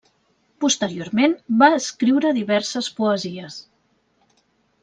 Posteriorment va escriure diverses poesies.